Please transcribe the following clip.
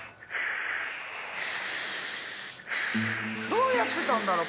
どうやってたんだろ？